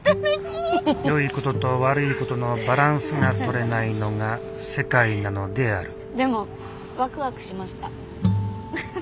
よいことと悪いことのバランスが取れないのが世界なのであるでもワクワクしました。